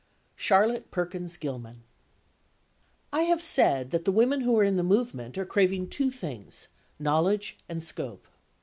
CHARLOTTE PERKINS GILMAN. I have said that the women who are in the movement are craving two things, knowledge and scope.